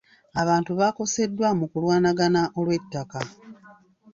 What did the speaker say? Abantu baakoseddwa mu kulwanagana olw'ettaka.